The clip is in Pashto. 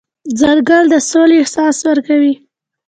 ځنګل د سولې احساس ورکوي.